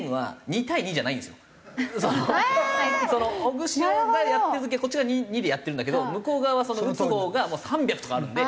オグシオがやってる時はこっち側２でやってるんだけど向こう側は打つほうが３００とかあるんで。